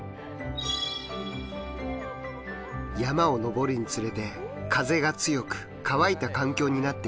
山を登るにつれて風が強く乾いた環境になっていきます。